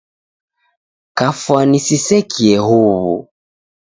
Kafwani sisekie huw'u.